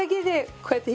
こうやって。